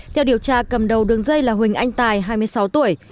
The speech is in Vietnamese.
theo điều tra cầm đầu đường dây là huỳnh anh tài hai mươi sáu tuổi